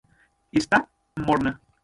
Está morna.